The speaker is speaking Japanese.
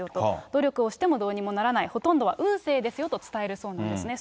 努力をしてもどうにもならない、ほとんどは運勢ですよと伝えるそうなんですね。